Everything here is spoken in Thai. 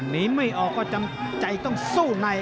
ไม่ออกก็จำใจต้องสู้ใน